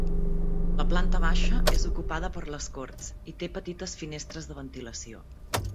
La planta baixa és ocupada per les corts i té petites finestres de ventilació.